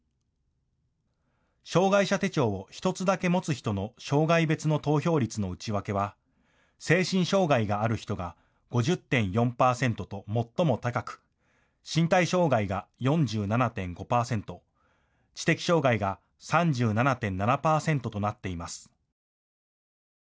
障害者手帳を１つだけ持つ人の障害別の投票率の内訳は精神障害がある人が５０．４％と最も高く、身体障害が４７．５％、知的障害が３７．７％となっています。